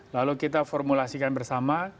lalu kita formulasikan bersama